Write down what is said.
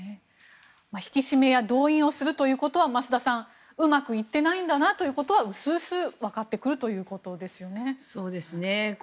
引き締めや動員をするということは、増田さんうまくいっていないんだなということは薄々分かってくるということですよね。